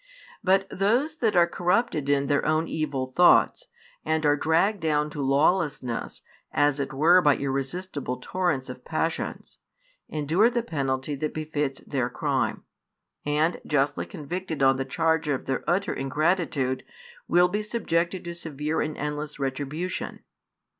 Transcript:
But those that are corrupted in their |189 own evil thoughts, and are dragged down to lawlessness as it were by irresistible torrents of passions, endure the penalty that befits their crime; and, justly convicted on the charge of their utter ingratitude, will be subjected to severe and endless retribution.